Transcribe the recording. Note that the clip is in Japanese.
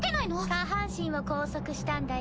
下半身を拘束したんだよ。